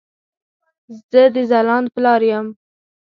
زه د ځلاند پلار يم